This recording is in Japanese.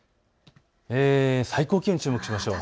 最高気温に注目しましょう。